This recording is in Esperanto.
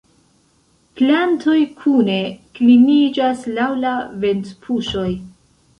Plantoj kune kliniĝas laŭ la ventpuŝoj.